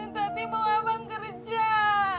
tapi mau abang kerja